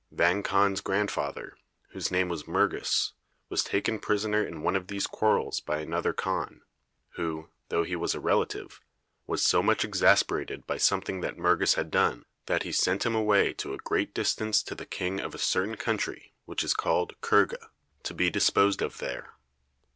Vang Khan's grandfather, whose name was Mergus, was taken prisoner in one of these quarrels by another khan, who, though he was a relative, was so much exasperated by something that Mergus had done that he sent him away to a great distance to the king of a certain country which is called Kurga, to be disposed of there.